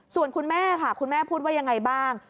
ส่วนคุณแม่ค่ะคุณแม่พูดว่ายังไงบ้าง